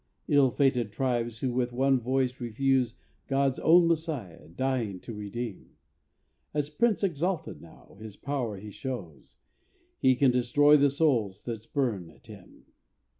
Ill fated tribes, who with one voice refuse God's own Messiah, dying to redeem : As Prince exalted now, his power he shews; He can destroy the souls that spurn at him.